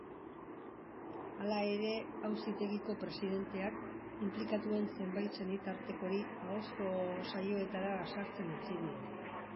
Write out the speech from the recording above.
Hala ere, auzitegiko presidenteak inplikatuen zenbait senitartekori ahozko saioetara sartzen utzi die.